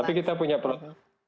tapi kita punya program